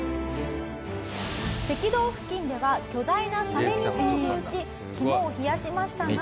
赤道付近では巨大なサメに遭遇し肝を冷やしましたが。